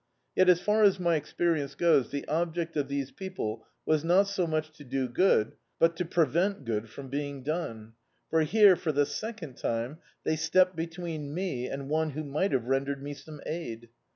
Yet, as far as my experience goes, the object of these pe(^le was not so much to do good, but to prevent good from being done; for here, for the second time, they stepped between me and one who might have rendered me stnne aid.